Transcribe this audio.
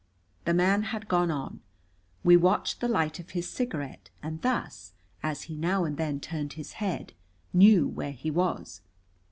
The man had gone on. We watched the light of his cigarette, and thus, as he now and then turned his head, knew where he was.